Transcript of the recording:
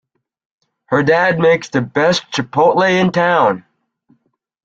Her dad makes the best chipotle in town!